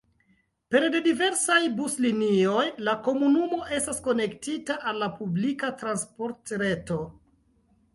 Pere de diversaj buslinioj la komunumo estas konektita al la publika transportreto.